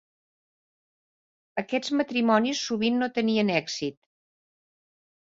Aquests matrimonis sovint no tenien èxit.